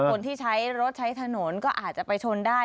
คนที่ใช้รถใช้ถนนก็อาจจะไปชนได้